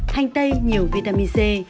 hành tây nhiều vitamin c